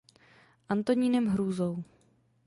Antonínem Hrůzou.